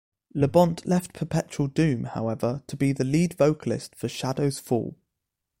Labonte left Perpetual Doom, however, to be the lead vocalist for Shadows Fall.